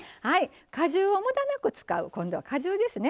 果汁をむだなく使う今度は果汁ですね。